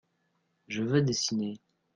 Je veux dessiner.